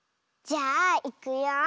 じゃあいくよ。